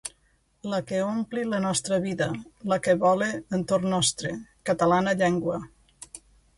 La que ompli la nostra vida, la que vola entorn nostre, catalana llengua!